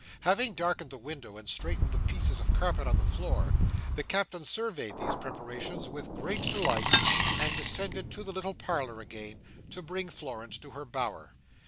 Having darkened the window, and straightened the pieces of carpet on the floor, the Captain surveyed these preparations with great delight, and descended to the little parlour again, to bring Florence to her bower.